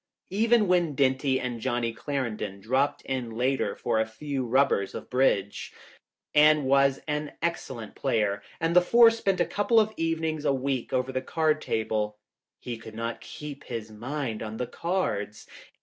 Even when Dinty and Johnny Clarendon dropped in later for a few rubbers of bridge — Anne was an excellent player and the four spent a couple of evenings a week over the card table — he could not keep his mind on the cards.